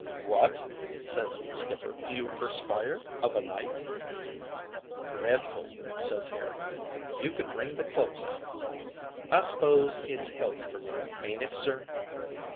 "'What?' ses the skipper. 'Do you perspire of a night?' "'Dredful,' ses Harry. 'You could wring the clo'es out. I s'pose it's healthy for me, ain't it, sir?'